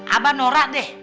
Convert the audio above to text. abah norak deh